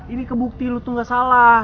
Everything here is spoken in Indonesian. ini kebukti lu tuh gak salah